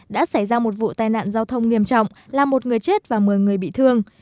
đã xảy ra một vụ tai nạn giao thông nghiêm trọng làm một người chết và một mươi người bị thương